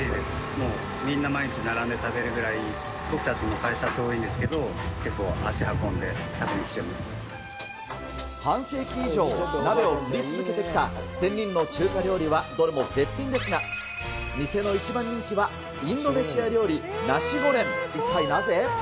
もうみんな毎日並んで食べるぐらい、僕たちも会社遠いんですけど、半世紀以上、鍋を振り続けてきた仙人の中華料理はどれも絶品ですが、店の一番人気は、インドネシア料理、ナシゴレン。